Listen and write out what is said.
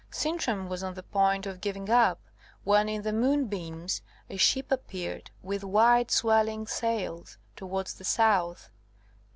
Sintram was on the point of giving up, when in the moonbeams a ship appeared, with white swelling sails, towards the south.